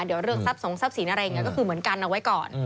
เดี๋ยวเรื่องทรัพย์ทรัพย์สินอะไรอย่างนี้ก็คือเหมือนกันเอาไว้ก่อน